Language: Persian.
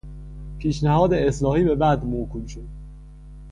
پیشنهاد اصلاحی به بعد موکول شد.